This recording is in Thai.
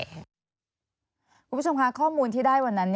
คุณผู้ชมคะข้อมูลที่ได้วันนั้น